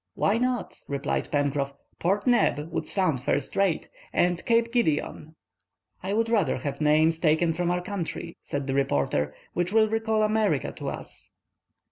"Why not?" replied Pencroff, "'Port Neb' would sound first rate! And 'Cape Gideon'—" "I would rather have names, taken from our country," said the reporter, "which will recall America to us."